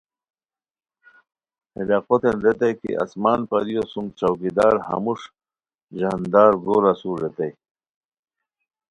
ہے ڈاقوتین ریتائے کی آسمان پریو سوم چوکیدار ہموݰ ژاندار گور اسور ریتائے